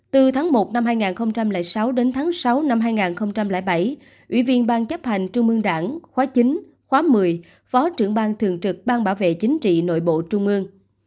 từ tháng một năm hai nghìn sáu đến tháng sáu năm hai nghìn bảy ủy viên bang chấp hành trung mương đảng khóa chín khóa một mươi phó trưởng bang thường trực bang bảo vệ chính trị nội bộ trung mương